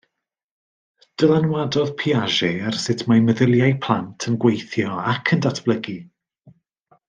Dylanwadodd Piaget ar sut mae meddyliau plant yn gweithio ac yn datblygu.